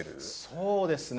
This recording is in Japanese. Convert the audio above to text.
そうですね